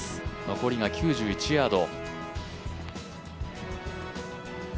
残りが９１ヤード。